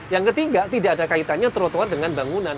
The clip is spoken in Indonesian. yang ketiga tidak ada kaitannya trotoar dengan bangunan